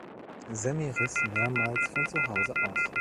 Sammy riss mehrmals von zu Hause aus.